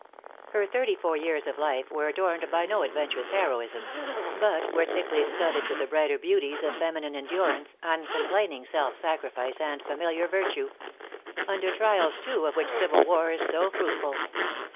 Her thirty four years of life were adorned by no adventurous heroism; but were thickly studded with the brighter beauties of feminine endurance, uncomplaining self sacrifice, and familiar virtue under trials, too, of which civil war is so fruitful.